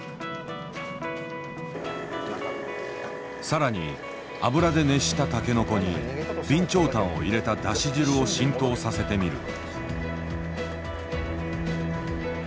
更に油で熱したタケノコに備長炭を入れただし汁を浸透させてみる。